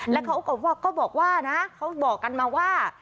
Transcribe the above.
แล้วเขาก็บอกว่านะเขาบอกกันมาว่า